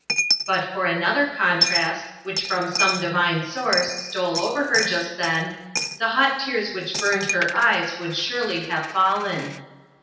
But for another contrast, which from some divine source stole over her just then, the 6s 66 INTERRUPTED. hot tears which burned her eyes would surely have fallen.